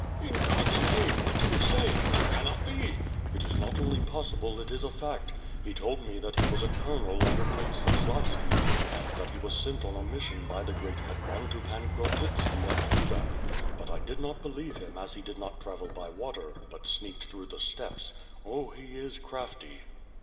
"In Qod^s name what do you say? That cannot be!" "It is not only possible, it is a fact. He told me that he was a Colonel under Prince Zaslavski, and that he was sent on a mission by the great Hetman to Pan Grodzitski at Kudak. But I did not believe him as he did not travel by water, but sneaked through the steppes. Oh, he is crafty."